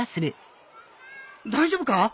大丈夫か？